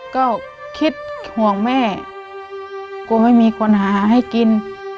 ก็คิดห่วงแม่กลัวไม่มีคนหาให้กิน